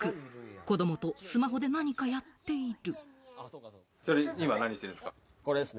子供とスマホで何かやっている。